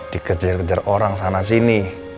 dikejar kejar orang sana sini